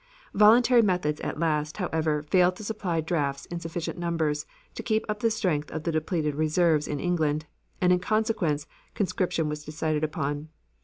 Voluntary methods at last, however, failed to supply drafts in sufficient numbers to keep up the strength of the depleted reserves in England, and in consequence conscription was decided upon.